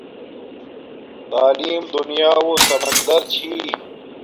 تعلیم دُنیا و سمندر چھی